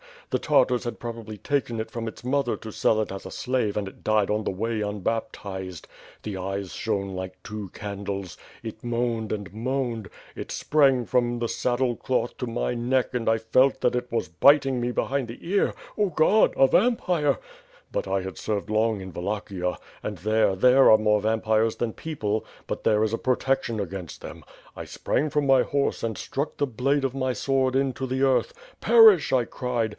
The Tartars had probably taken it from its mother to sell it as a slave and ii died on the way imbaptized. The eyes shone like two candles; it moaned and moaned. It sprang from the saddle cloth to my neck and I felt that it was biting me be hind ihe ear. Oh, God! A vampire! ... But I had served long in Wallachia, and, there, there are more vam pires than people; but there is a protection against them. I sprang from my horse and stuck the blade of my sword into the earth. Perish! I cried.